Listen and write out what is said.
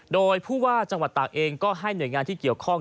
โดยผู้ว่าจังหวัดตากเองก็ให้หน่วยงานที่เกี่ยวข้อง